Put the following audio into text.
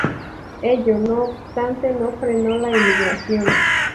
Ello, no obstante, no frenó la emigración.